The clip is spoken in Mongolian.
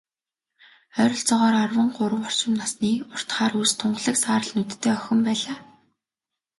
Ойролцоогоор арван гурав орчим насны, урт хар үс, тунгалаг саарал нүдтэй охин байлаа.